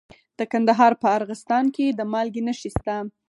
د کندهار په ارغستان کې د مالګې نښې شته.